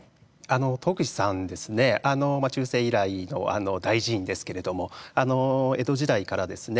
東福寺さんですね中世以来の大寺院ですけれども江戸時代からですね